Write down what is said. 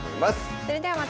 それではまた。